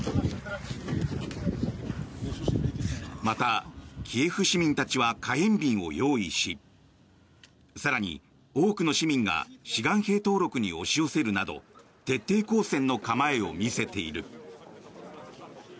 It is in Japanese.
また、キエフ市民たちは火炎瓶を用意し更に、多くの市民が志願兵登録に押し寄せるなど徹底抗戦の構えを見せている。